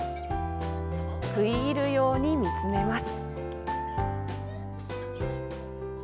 食い入るように見つめます。